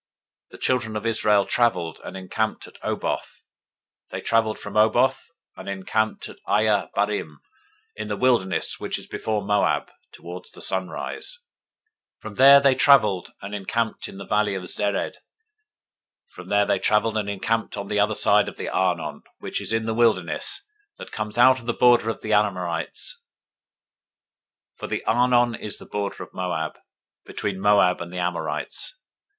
021:010 The children of Israel traveled, and encamped in Oboth. 021:011 They traveled from Oboth, and encamped at Iyeabarim, in the wilderness which is before Moab, toward the sunrise. 021:012 From there they traveled, and encamped in the valley of Zered. 021:013 From there they traveled, and encamped on the other side of the Arnon, which is in the wilderness, that comes out of the border of the Amorites: for the Arnon is the border of Moab, between Moab and the Amorites.